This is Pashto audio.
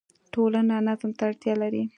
ټولنه نظم ته اړتیا لري.